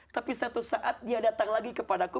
tapi satu saat dia datang lagi kepadaku